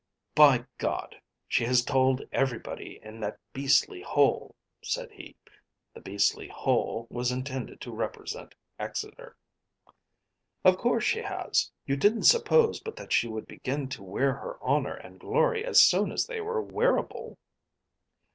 "By G , she has told everybody in that beastly hole," said he. The "beastly hole" was intended to represent Exeter. "Of course she has. You didn't suppose but that she would begin to wear her honour and glory as soon as they were wearable."